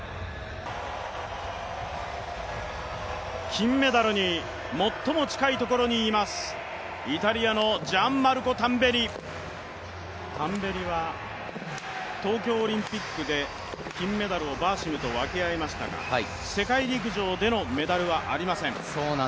金メダルに最も近いところにいます、イタリアのジャンマルコ・タンベリタンベリは東京オリンピックで金メダルをバーシムと分け合いましたが世界陸上でのメダルはありません。